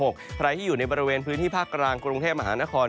ใครที่อยู่ในบริเวณพื้นที่ภาคกลางกรุงเทพมหานคร